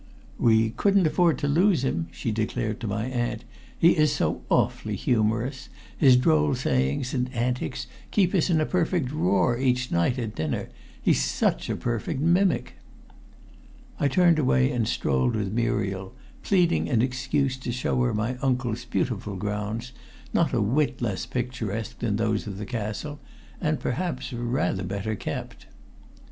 "We couldn't afford to lose him," she declared to my aunt. "He is so awfully humorous his droll sayings and antics keep us in a perfect roar each night at dinner. He's such a perfect mimic." I turned away and strolled with Muriel, pleading an excuse to show her my uncle's beautiful grounds, not a whit less picturesque than those of the castle, and perhaps rather better kept.